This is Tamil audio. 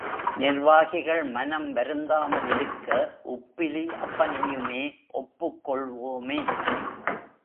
நிர்வாகிகள் மனம் வருந்தாமல் இருக்க உப்பிலி அப்பனையுமே ஒப்புக் கொள்வோமே.